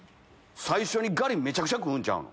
最初にガリめちゃくちゃ食う。